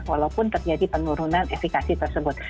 walaupun terjadi penurunan efekasi tersebut